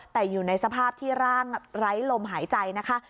แต่อยู่ในสภาพที่ร่างไร้ลมหายใจนะคะ